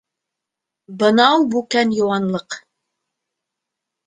Бынау бүкән йыуанлыҡ.